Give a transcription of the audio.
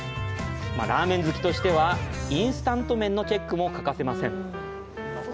ラーメン好きとしてはインスタント麺のチェックも欠かせません。